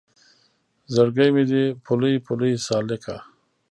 زړګی مې دی پولۍ پولۍ سالکه